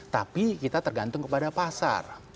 tapi kita tergantung kepada pasar